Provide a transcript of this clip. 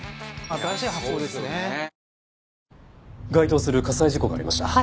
該当する火災事故がありました。